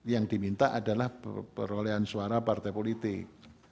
yang diminta adalah perolehan suara partai politik